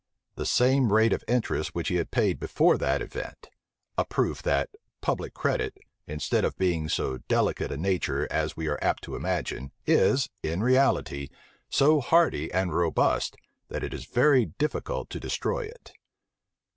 the same rate of interest which he had paid before that event;[] a proof that public credit, instead of being of so delicate a nature as we are apt to imagine, is, in reality, so hardy and robust, that it is very difficult to destroy it.